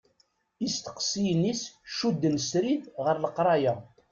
Isteqsiyen-is cudden srid ɣer leqraya.